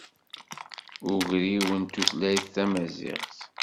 Ugriw n tutlayt tamaziɣt.